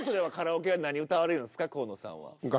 河野さんは。